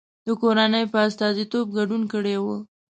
د کورنۍ په استازیتوب ګډون کړی و.